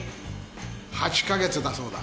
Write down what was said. ８ヶ月だそうだ。